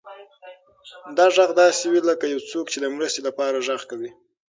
دا غږ داسې و لکه یو څوک چې د مرستې لپاره غږ کوي.